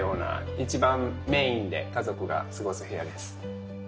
一番メインで家族が過ごす部屋です。